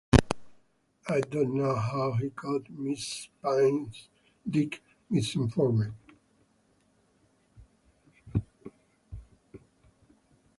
I don't know how he got Mrs. Pine's dick misinformed.